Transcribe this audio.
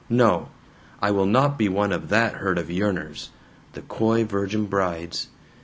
No! I will not be one of that herd of yearners! The coy virgin brides.